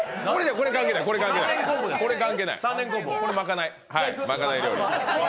これ、まかない料理。